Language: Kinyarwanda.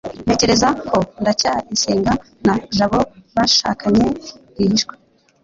ntekereza ko ndacyayisenga na jabo bashakanye rwihishwa